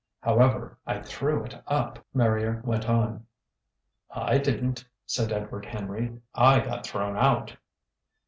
"However, I threw it up," Marrier went on. "I didn't," said Edward Henry. "I got thrown out!"